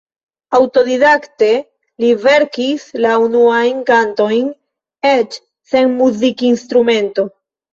Aŭtodidakte li verkis la unuajn kantojn, eĉ sen muzikinstrumento.